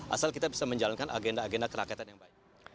asal kita bisa menjalankan agenda agenda kerakyatan yang baik